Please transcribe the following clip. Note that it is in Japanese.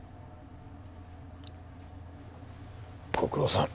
ご苦労さん。